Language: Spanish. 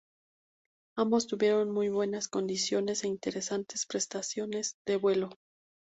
Ambos tuvieron muy buenas condiciones e interesantes prestaciones de vuelo.